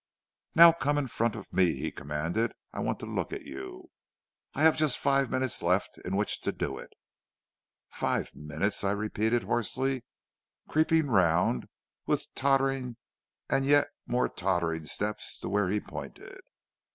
"'Now come in front of me,' he commanded, 'I want to look at you. I have just five minutes left in which to do it.' "'Five minutes!' I repeated hoarsely, creeping round with tottering and yet more tottering steps to where he pointed.